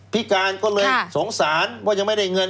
พิการก็เลยสงสารว่ายังไม่ได้เงิน